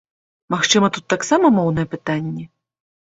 Магчыма, тут таксама моўнае пытанне?